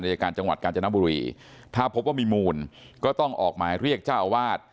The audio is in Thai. อายการจังหวัดกาญจนบุรีถ้าพบว่ามีมูลก็ต้องออกหมายเรียกเจ้าอาวาส